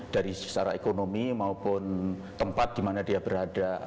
dari secara ekonomi maupun tempat di mana dia berada